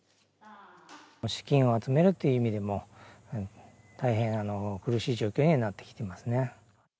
資金を集めるという意味でも、大変苦しい状況にはなってきてますね。